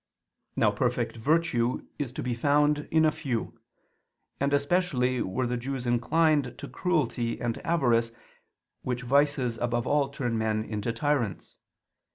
Now perfect virtue is to be found in few: and especially were the Jews inclined to cruelty and avarice, which vices above all turn men into tyrants.